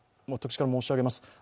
私から申し上げます。